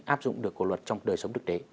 áp dụng được của luật trong đời sống thực tế